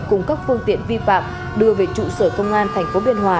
cùng các phương tiện vi phạm đưa về trụ sở công an thành phố biên hòa